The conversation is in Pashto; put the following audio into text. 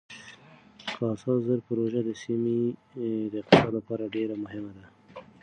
کاسا زر پروژه د سیمې د اقتصاد لپاره ډېره مهمه ده.